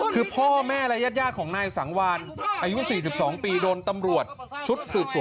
คือพ่อแม่และญาติของนายสังวานอายุ๔๒ปีโดนตำรวจชุดสืบสวน